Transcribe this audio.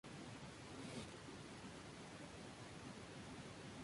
Magister en Administración de Empresas de la Universidad Santo Tomás.